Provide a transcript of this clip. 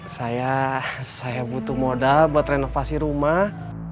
saya saya butuh modal buat renovasi rumah